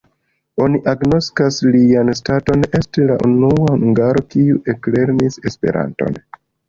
Oni agnoskas lian staton esti la unua hungaro, kiu eklernis Esperanton.